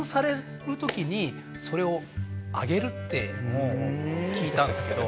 それを。って聞いたんですけど。